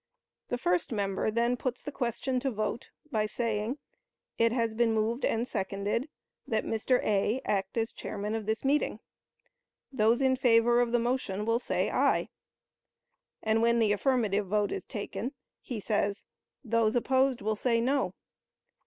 The first member then puts the question to vote, by saying, "It has been moved and seconded that Mr. A. act as chairman of this meeting; those in favor of the motion will say aye," and when the affirmative vote is taken, he says, "those opposed will say no."